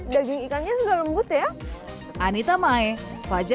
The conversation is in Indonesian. daging ikannya sudah lembut ya